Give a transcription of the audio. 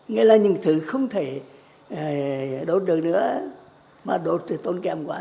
nghĩa là những thứ không thể đốt được nữa mà đốt được tôn kèm quá